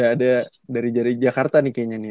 ada dari jari jakarta nih kayaknya